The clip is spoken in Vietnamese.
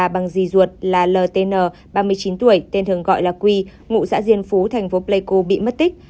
bà t t d là l t n ba mươi chín tuổi tên thường gọi là quy ngụ xã diên phú thành phố pleiku bị mất tích